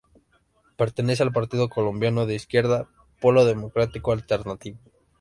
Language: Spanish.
Pertenece al partido Colombiano de izquierda Polo Democrático Alternativo.